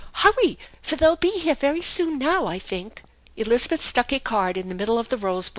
Hurry, for they'll be here very soon now, I think." Elizabeth stuck a card in the middle of the rose bow?